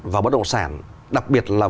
và bất động sản đặc biệt là